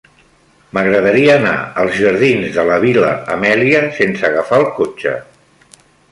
M'agradaria anar als jardins de la Vil·la Amèlia sense agafar el cotxe.